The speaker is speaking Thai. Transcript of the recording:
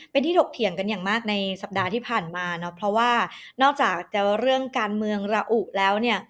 เป็นที่ถกเถียงกันอย่างมากในสัปดาห์ที่ผ่านมาเนอะเพราะว่านอกจากจะเรื่องการเมืองระอุแล้วเนี่ย